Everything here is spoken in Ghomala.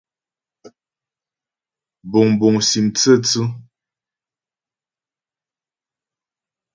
Buŋbuŋ sim tsə́tsʉ́.